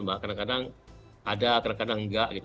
bahkan kadang kadang ada kadang kadang enggak